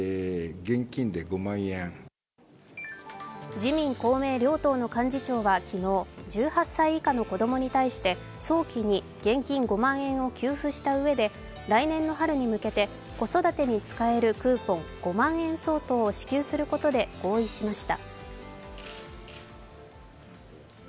自民・公明両党の幹事長は昨日１８歳以下の子供に対して早期に現金５万円を給付したうえで来年の春に向けて子育てに使えるクーポン５万円相当を支給することで合意しました。